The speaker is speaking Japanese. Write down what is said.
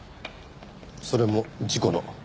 それも事故の。